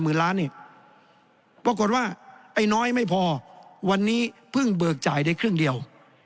ล้านนี่ปรากฏว่าไอ้น้อยไม่พอวันนี้เพิ่งเบิกจ่ายได้ครึ่งเดียว